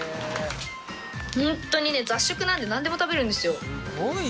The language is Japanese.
ホントにね雑食なんでね何でも食べるんですよ。